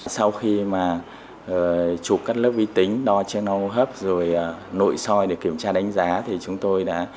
sau khi mà chụp các lớp vi tính đo channel hub rồi nội soi để kiểm tra đánh giá thì chúng tôi đã